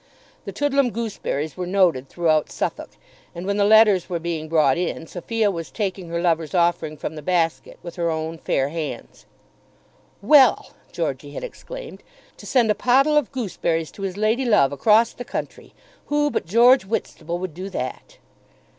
The Toodlam gooseberries were noted throughout Suffolk, and when the letters were being brought in Sophia was taking her lover's offering from the basket with her own fair hands. "Well!" Georgey had exclaimed, "to send a pottle of gooseberries to his lady love across the country! Who but George Whitstable would do that?"